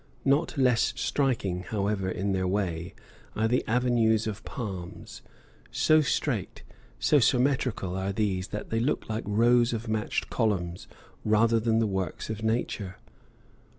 Not less striking, however, in their way, are the avenues of palms; so straight, so symmetrical are these that they look like rows of matched columns rather than works of nature.